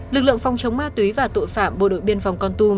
lực lượng phòng chống ma túy và tội phạm bộ đội biên phòng con tum